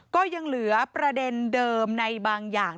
ก็ยังเหลือประเด็นเดิมในบางอย่าง